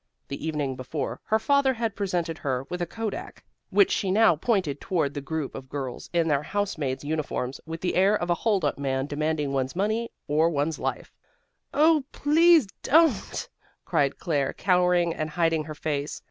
The evening before, her father had presented her with a kodak, which she now pointed toward the group of girls in their house maid's uniforms, with the air of a hold up man, demanding one's money or one's life. "Oh, don't please," cried Claire, cowering and hiding her face.